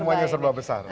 semuanya serba besar